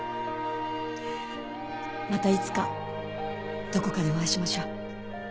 またいつかどこかでお会いしましょう。